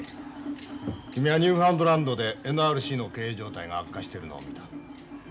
君はニューファンドランドでＮＲＣの経営状態が悪化してるのを見た。